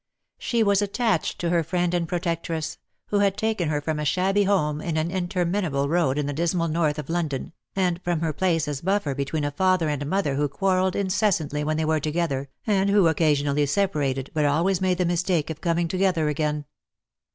She was attached to her friend and protectress, who had taken her from a shabby home in an interminable road in the dismal north of London, and from her place as buffer between a father and mother who quarrelled incessantly when they were together, and who occasionally separated, but always made the mistake of coming together again.